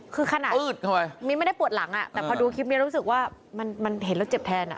คือขนาดมิ้นไม่ได้ปวดหลังแต่พอดูคลิปนี้รู้สึกว่ามันเห็นแล้วเจ็บแทนอ่ะ